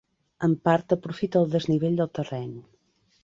En part aprofita el desnivell del terreny.